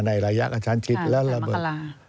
ในระยะอาชารชิดและระเบิด